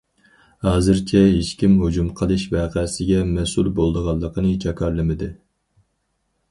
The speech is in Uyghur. ھازىرچە ھېچكىم ھۇجۇم قىلىش ۋەقەسىگە مەسئۇل بولىدىغانلىقىنى جاكارلىمىدى.